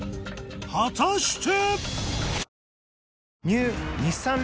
果たして⁉